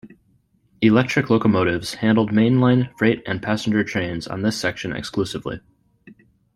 Electric locomotives handled mainline freight and passenger trains on this section exclusively.